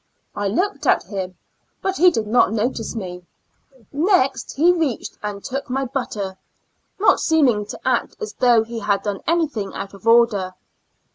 I looked at him, but he did not notice me ; next he reached and took my IN A L UNA TIC ASYL UM. 4 7 butter, not seeming to act as though he had done anything out of order.